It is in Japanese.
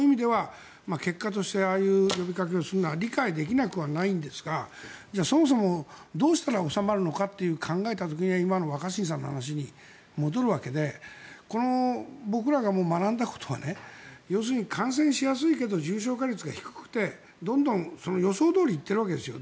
結果としてああいう呼びかけをするのは理解できなくもないんですがそもそもどうしたら収まるのかと考えた時に今の若新さんの話に戻るわけで僕らが学んだことは要するに感染しやすいけど重症化率が低くてどんどん予想どおり行ってるわけですよ。